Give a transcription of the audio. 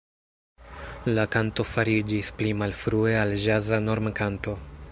La kanto fariĝis pli malfrue al ĵaza normkanto.